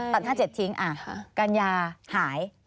ตัด๕๗ทิ้งกัญญาหาย